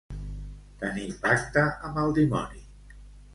Tenir pacte amb el dimoni.